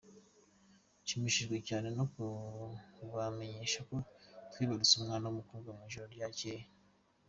"Nshimishijwe cyane no kubamenyesha ko twibarutse umwana w'umukobwa mu ijoro ryacyeye.